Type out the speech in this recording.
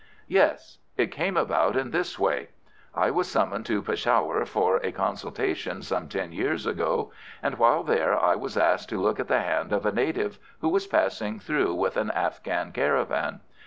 "Yes, it came about in this way. I was summoned to Peshawur for a consultation some ten years ago, and while there I was asked to look at the hand of a native who was passing through with an Afghan caravan.